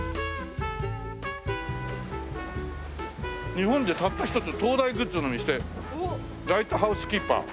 「日本でたった一つ灯台グッズの店」「ライトハウスキーパー」